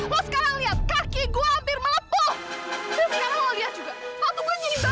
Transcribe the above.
lo sekarang lihat kaki gue hampir melepuh